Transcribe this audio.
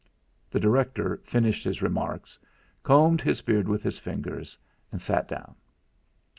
The director finished his remarks, combed his beard with his fingers, and sat down.